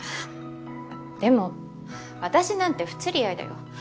でも私なんて不釣り合いだよ。